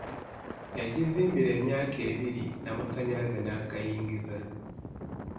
Yagizimbira emyaka ebbiri n'amasanyalaze n'agayingiza.